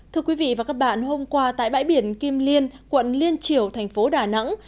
thưa quý vị và các bạn hôm qua tại bãi biển kim liên quận liên triểu thành phố đà nẵng